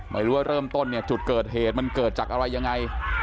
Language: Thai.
ไม่รู้ว่าเริ่มต้นเนี่ยจุดเกิดเหตุมันเกิดจากอะไรยังไง